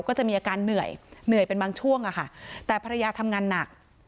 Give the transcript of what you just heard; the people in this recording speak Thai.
ก็จะมีอาการเหนื่อยเหนื่อยเป็นบางช่วงอะค่ะแต่ภรรยาทำงานหนัก